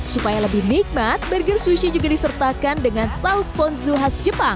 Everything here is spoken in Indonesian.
supaya lebih nikmat burger sushi juga disertakan dengan saus ponzu khas jepang